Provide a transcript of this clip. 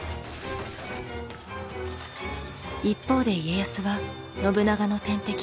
一方で家康は信長の天敵